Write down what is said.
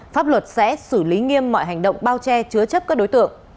pháp luật sẽ xử lý nghiêm mọi hành động bao che chứa chấp các đối tượng